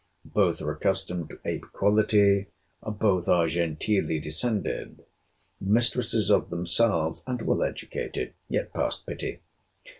Both are accustomed to ape quality.—Both are genteelly descended. Mistresses of themselves, and well educated—yet past pity.